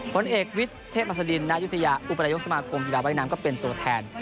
ผลเอกวิทย์เทพดินนายุทยาอุปนายกสมาคมกีฬาว่ายน้ำก็เป็นตัวแทน